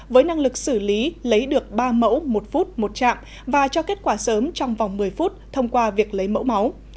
với năng lực xử lý lấy được ba mẫu một phút một trạm và cho kết quả sớm trong vòng một mươi phút thông qua việc lấy mẫu máu